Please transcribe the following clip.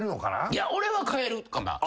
いや俺は変えるかな。